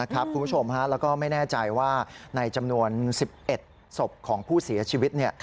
คุณผู้ชมแล้วก็ไม่แน่ใจว่าในจำนวน๑๑ศพของผู้เสียชีวิต